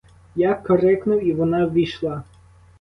Я крикнув, і вона ввійшла.